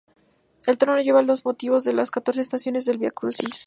El trono lleva los motivos de las catorce estaciones del viacrucis.